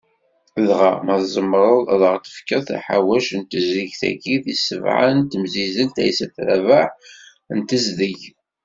Dɣa, ma tzemmreḍ ad aɣ-tefkeḍ taḥawact n tezrigt-agi tis sebɛa n temsizzelt Aysat Rabaḥ n tezdeg?